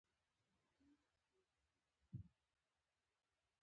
دواړو سیستمونو ونه شوای کولای چې نوښتونه تشویق کړي.